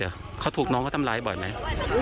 คือเขาถูกน้องก็ทำร้ายบ่อยไหม